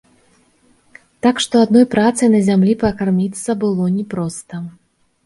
Так што адной працай на зямлі пракарміцца было не проста.